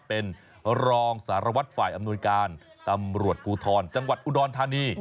เป็นรองสารวัตรฝ่ายอำนวยการตำรวจภูทรจังหวัดอุดรธานี